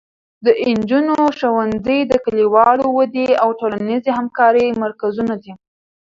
د نجونو ښوونځي د کلیوالو ودې او ټولنیزې همکارۍ مرکزونه دي.